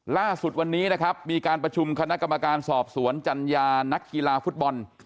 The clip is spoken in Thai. ล่าสุดวันนี้นะครับมีการประชุมคณะกรรมการสอบสวนจัญญานักกีฬาฟุตบอล